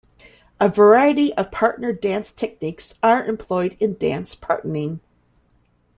A variety of partner dance techniques are employed in dance partnering.